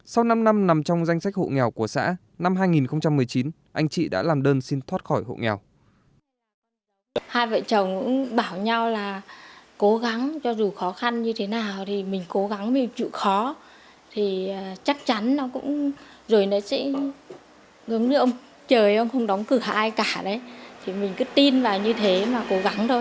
sau năm năm nằm trong danh sách hộ nghèo của xã năm hai nghìn một mươi chín anh chị đã làm đơn xin tự